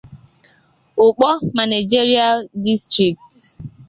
'Ukpor Managerial District'